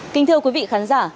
kính thưa quý vị khán giả